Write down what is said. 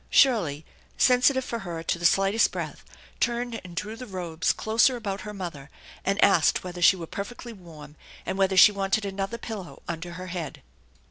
Shirley, sensitive for her to the slightest breath, turned and drew the robes closer about her mother, and asked whether she were perfectly warm and whether she wanted another pillow under her head.